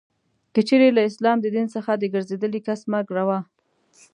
که چیري له اسلام د دین څخه د ګرځېدلې کس مرګ روا.